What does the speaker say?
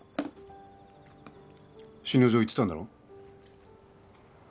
診療所行ってたんだろ？